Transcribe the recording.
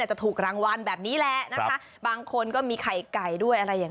จะถูกรางวัลแบบนี้แหละบางคนก็มีไข่ไก่ด้วย